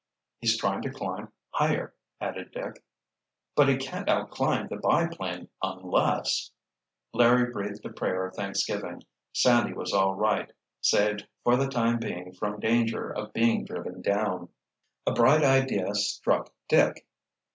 "He's trying to climb higher," added Dick. "But he can't outclimb the biplane, unless—" Larry breathed a prayer of thanksgiving. Sandy was all right, saved for the time being from danger of being driven down. A bright idea struck Dick.